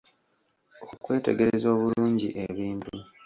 Okwetegereza obulungi ebintu.